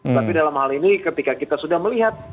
tapi dalam hal ini ketika kita sudah melihat